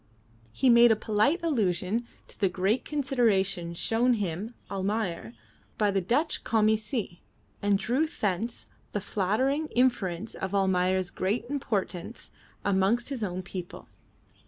He made a polite allusion to the great consideration shown him (Almayer) by the Dutch "Commissie," and drew thence the flattering inference of Almayer's great importance amongst his own people.